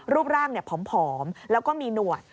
รูปร่างผอมแล้วก็มีหนวด